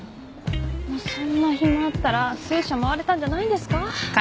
もうそんな暇あったら数社回れたんじゃないんですか？